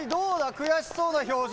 悔しそうな表情。